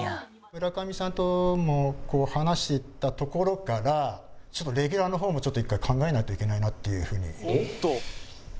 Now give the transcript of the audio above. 村上さんとも話したところからレギュラーの方もちょっと１回考えないといけないなっていう風に。